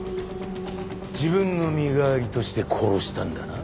自分の身代わりとして殺したんだな？